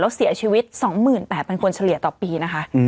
แล้วเสียชีวิต๒๘๐๐คนเฉลี่ยต่อปีนะคะ